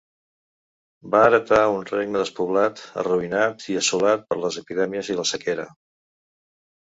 Va heretar un regne despoblat, arruïnat i assolat per les epidèmies i la sequera.